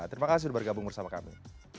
terima kasih sudah bergabung bersama kami